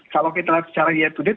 kalau kita lihat secara yatudet